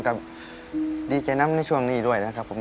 ก็ดีเจน้ำในช่วงนี้ด้วยนะครับผม